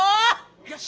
よし！